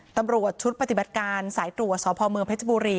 ตำรวจชุดปฏิบัติการสายตรวจสพเมืองเพชรบุรี